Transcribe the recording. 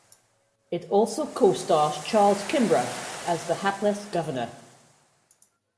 It also co-stars Charles Kimbrough as the hapless Governor.